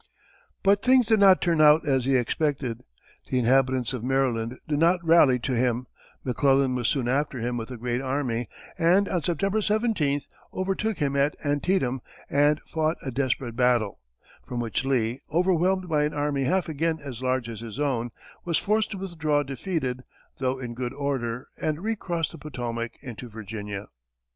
But things did not turn out as he expected. The inhabitants of Maryland did not rally to him, McClellan was soon after him with a great army, and on September 17, overtook him at Antietam, and fought a desperate battle; from which Lee, overwhelmed by an army half again as large as his own, was forced to withdraw defeated, though in good order, and recross the Potomac into Virginia.